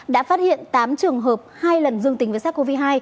đã phát hiện tám trường hợp hai lần dương tính với sars cov hai